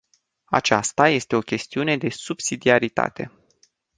Aceasta este o chestiune de subsidiaritate.